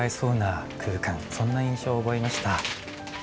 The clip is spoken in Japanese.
そんな印象を覚えました。